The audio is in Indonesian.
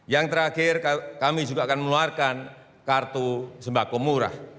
yang terakhir kami juga akan mengeluarkan kartu sembako murah